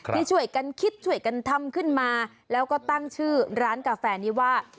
ที่ช่วยกันคิดช่วยกันทำขึ้นมาแล้วก็ตั้งชื่อร้านกาแฟนี้ว่า